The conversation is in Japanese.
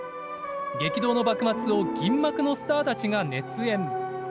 激動の幕末を銀幕のスターたちが熱演。